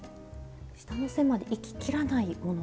下の線までいききらないものなんですね。